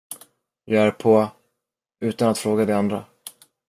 Jag är på, utan att fråga de andra!